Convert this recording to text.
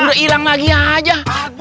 udah ilang lagi aja